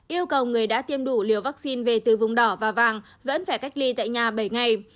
yêu cầu người đã tiêm đủ liều vaccine về từ vùng đỏ và vàng vẫn phải cách ly tại nhà bảy ngày